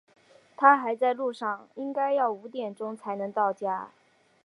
他还在路上，应该要五点钟才能到家。